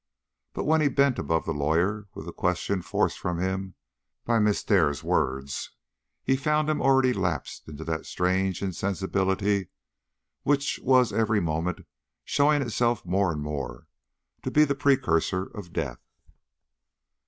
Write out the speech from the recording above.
But when he bent above the lawyer with the question forced from him by Miss Dare's words, he found him already lapsed into that strange insensibility which was every moment showing itself more and more to be the precursor of death.